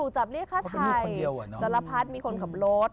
จรพัฒน์มีคนขับรถ